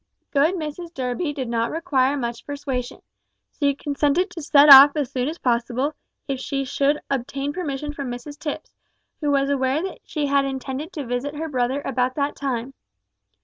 Good Mrs Durby did not require much persuasion. She consented to set off as soon as possible, if she should obtain permission from Mrs Tipps, who was aware that she had intended to visit her brother about that time.